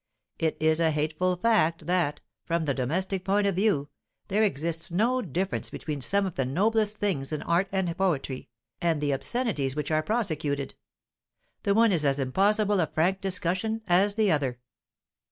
It is a hateful fact that, from the domestic point of view, there exists no difference between some of the noblest things in art and poetry, and the obscenities which are prosecuted; the one is as impossible of frank discussion as the other."